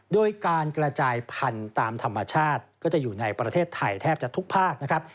โดยการกระจายพันธุ์ตามธรรมชาติก็จะอยู่ในประเทศไทยแทบจะทุกภาคนะครับ